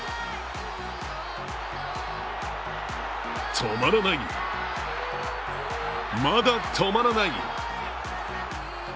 止まらない、まだ止まらない！